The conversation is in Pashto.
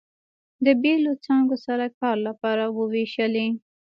د بېلو څانګو سره کار لپاره ووېشلې.